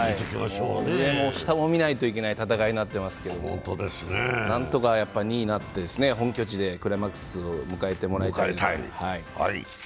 上も下も見ないといけない戦いになってますけど何とか２位になって、本拠地でクライマックスを迎えてもらいたい。